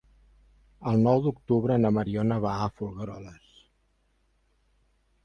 El nou d'octubre na Mariona va a Folgueroles.